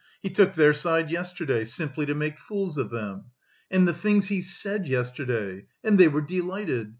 He took their side yesterday, simply to make fools of them. And the things he said yesterday! And they were delighted!